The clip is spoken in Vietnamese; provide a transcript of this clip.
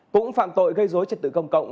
cũng phạm tội gây dối trật tự công cộng